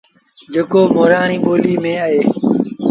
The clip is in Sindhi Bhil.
جيڪو مورآڻي ٻوليٚ ميݩ اهي